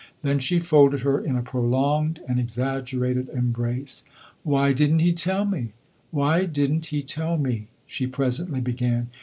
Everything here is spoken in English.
Then she folded her in a prolonged, an exaggerated, embrace. "Why did n't he tell me why did n't he tell me?" she presently began.